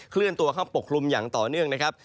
เลื่อนตัวเข้าปกคลุมอย่างต่อเนื่องนะครับ